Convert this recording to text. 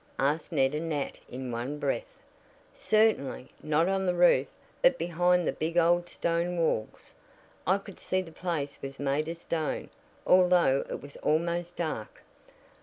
asked Ned and Nat in one breath. "Certainly. Not on the roof, but behind the big old stone walls. I could see the place was made of stone, although it was almost dark."